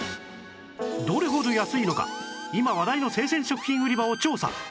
どれほど安いのか今話題の生鮮食品売り場を調査